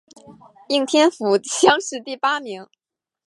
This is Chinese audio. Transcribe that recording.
应天府乡试第八名。